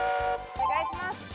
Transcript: お願いします。